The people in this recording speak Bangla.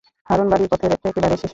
হারুর বাড়ি পথের একেবারে শেষে।